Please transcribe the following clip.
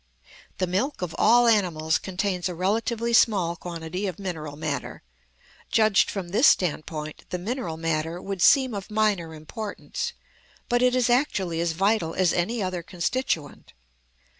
The milk of all animals contains a relatively small quantity of mineral matter; judged from this standpoint, the mineral matter would seem of minor importance, but it is actually as vital as any other constituent.